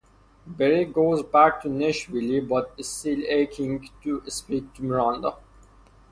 Bray goes back to Nashville but still aching to speak to Miranda.